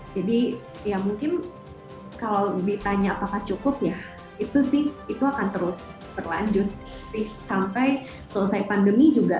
jadi ya mungkin kalau ditanya apakah cukup ya itu sih itu akan terus berlanjut sampai selesai pandemi juga